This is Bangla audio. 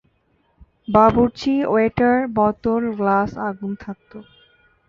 বাবুর্চি, ওয়েটার, বোতল, গ্লাস, আগুন থাকত।